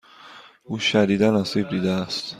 او شدیدا آسیب دیده است.